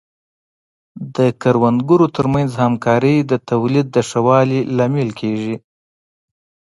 د کروندګرو ترمنځ همکاري د تولید د ښه والي لامل کیږي.